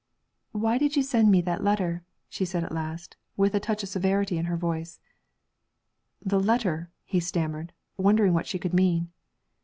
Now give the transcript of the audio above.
'Why did you send me that letter?' she said at last, with a touch of severity in her voice. 'The letter,' he stammered, wondering what she could mean.